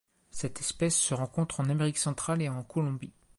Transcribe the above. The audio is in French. Cette espèce se rencontre en Amérique centrale et en Colombie.